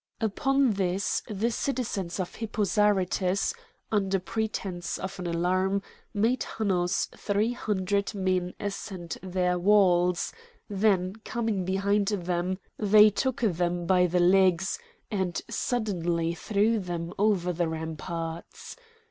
Upon this the citizens of Hippo Zarytus, under pretence of an alarm, made Hanno's three hundred men ascend their walls; then coming behind them they took them by the legs, and suddenly threw them over the ramparts.